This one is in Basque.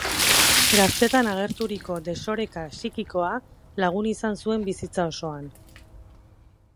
Gaztetan agerturiko desoreka psikikoa lagun izan zuen bizitza osoan.